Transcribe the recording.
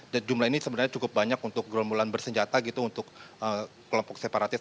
dan jumlah ini sebenarnya cukup banyak untuk kelompok bersenjata gitu untuk kelompok separatis